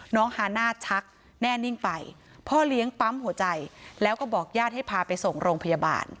ฮาน่าชักแน่นิ่งไปพ่อเลี้ยงปั๊มหัวใจแล้วก็บอกญาติให้พาไปส่งโรงพยาบาล